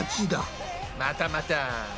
またまた。